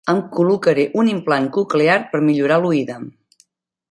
Em col·locaré un implant coclear per millorar l'oïda.